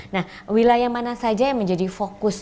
nah wilayah mana saja yang menjadi fokus